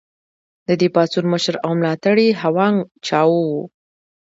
د دې پاڅون مشر او ملاتړی هوانګ چائو و.